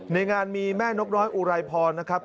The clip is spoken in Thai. ในงานมีแม่นกน้อยอุไรพรนะครับ